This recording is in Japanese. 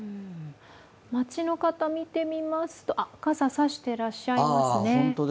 街の方、見てみますと、傘差していらっしゃいますね。